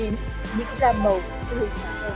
những ra màu hương sáng hơn